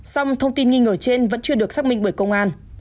song thông tin nghi ngờ trên vẫn chưa được xác minh bởi công an